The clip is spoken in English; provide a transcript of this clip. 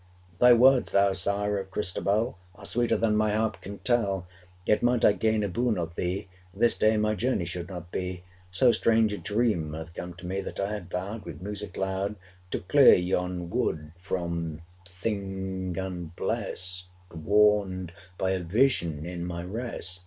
'Thy words, thou sire of Christabel, Are sweeter than my harp can tell; Yet might I gain a boon of thee, 525 This day my journey should not be, So strange a dream hath come to me, That I had vowed with music loud To clear yon wood from thing unblest, Warned by a vision in my rest!